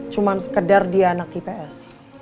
cuma sekedar dia anak ips